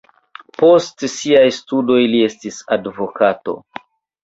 Post siaj studoj li estis advokato.